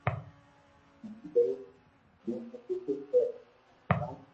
ھين ٻئير اينو ڪيدو ڪو اي سائين ڪاو